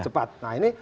cepat nah ini